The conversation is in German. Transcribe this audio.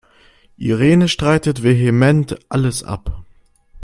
Irene streitet vehement alles ab.